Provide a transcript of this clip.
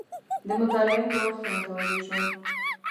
د مطالعې په وخت کې متوجه شوم.